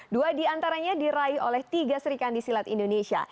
dua diantaranya diraih oleh tiga serikandi silat indonesia